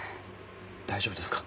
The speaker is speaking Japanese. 大丈夫ですか？